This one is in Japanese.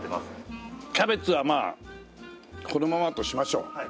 キャベツはまあこのままとしましょう。